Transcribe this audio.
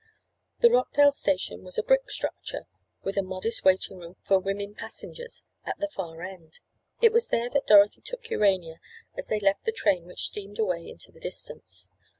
The Rockdale station was a brick structure, with a modest waiting room for women passengers at the far end. It was there that Dorothy took Urania as they left the train which steamed away into the distance.